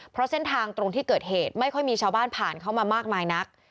เพราะเส้นทางตรงที่เกิดเหตุไม่ค่อยมีชาวบ้านผ่านเข้ามามากมายนัก